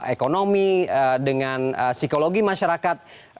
ekonomi dengan psikologi masyarakat